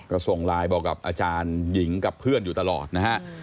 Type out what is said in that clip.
ก็ส่งไลน์บอกกับอาจารย์หญิงกับเพื่อนอยู่ตลอดนะฮะ